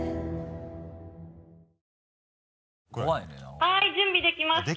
はい準備できました。